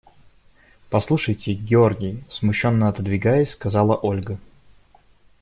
– Послушайте, Георгий, – смущенно отодвигаясь, сказала Ольга.